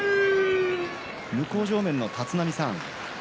向正面の立浪さん